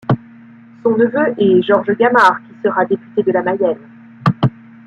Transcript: Son neveu est Georges Gamard, qui sera député de la Mayenne.